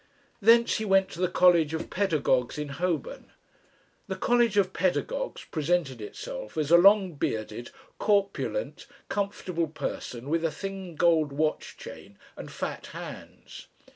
Thence he went to the College of Pedagogues in Holborn. The College of Pedagogues presented itself as a long bearded, corpulent, comfortable person with a thin gold watch chain and fat hands.